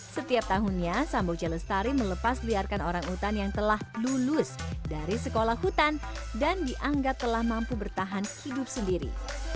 setiap tahunnya samboja lestari melepas liarkan orang hutan yang telah lulus dari sekolah hutan dan dianggap telah mampu bertahan hidup sendiri